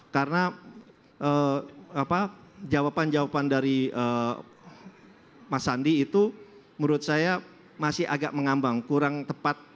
karena jawaban jawaban dari mas sandi itu menurut saya masih agak mengambang kurang tepat